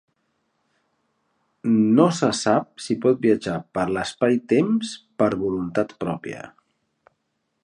No se sap si pot viatjar per l'espai-temps per voluntat pròpia.